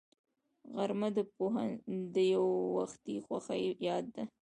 غرمه د یووختي خوښۍ یاد ده